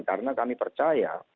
karena kami percaya